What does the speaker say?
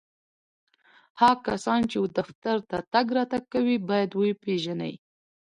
هغه کسان چي و دفتر ته تګ راتګ کوي ، باید و یې پېژني